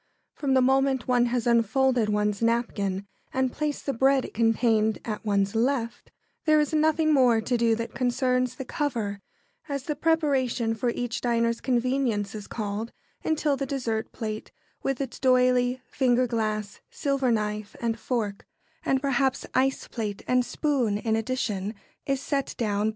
From the moment one has unfolded one's napkin and placed the bread it contained at one's left, there is nothing more to do that concerns the "cover," as the preparation for each diner's convenience is called, until the dessert plate, with its d'oyley, finger glass, silver knife and fork and perhaps ice plate and spoon in addition is set down before one.